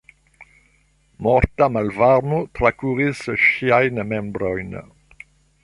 Morta malvarmo trakuris ŝiajn membrojn.